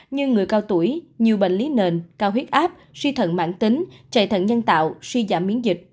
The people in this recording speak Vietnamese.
như người cao tuổi nhiều bệnh lý nền cao huyết áp suy thận mạng tính chạy thận nhân tạo suy giảm biến dịch